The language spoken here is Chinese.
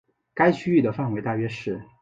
该区域的范围大约是。